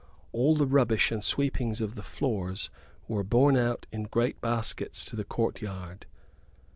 All the rubbish and sweepings of the floors were borne out in great baskets to the courtyard.